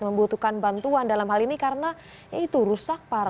membutuhkan bantuan dalam hal ini karena ya itu rusak parah